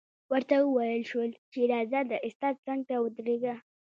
ورته وویل شول چې راځه د استاد څنګ ته ودرېږه